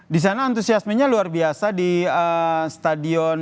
di sana antusiasmenya luar biasa di stadion